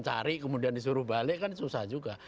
cari kemudian disuruh balik kan susah juga